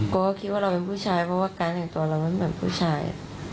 กลัวเขาคิดว่าเราเป็นผู้ชายเพราะว่าการแสงตัวเราไม่เป็นผู้ชาย